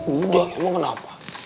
udah emang kenapa